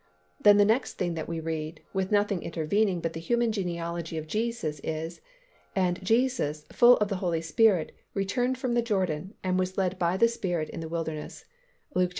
Then the next thing that we read, with nothing intervening but the human genealogy of Jesus, is "And Jesus, full of the Holy Spirit, returned from the Jordan, and was led by the Spirit in the wilderness" (Luke iv.